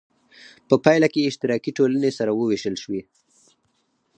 په پایله کې اشتراکي ټولنې سره وویشل شوې.